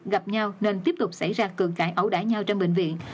gặp nhau nên tiếp tục xảy ra cường cãi ảo đãi nhau trong bệnh viện